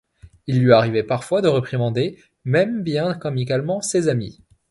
Il lui arrivait parfois de réprimander même, bien qu'amicalement, ses amis.